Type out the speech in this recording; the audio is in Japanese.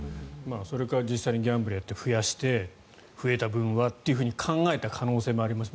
それか実際にギャンブルをやって増やして増えた分はって考えた可能性はあります。